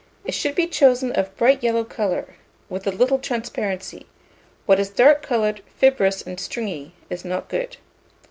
It should be chosen of a bright yellow colour, with a little transparency: what is dark coloured, fibrous, and stringy, is not good.